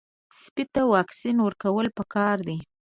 سپي ته واکسین ورکول پکار دي.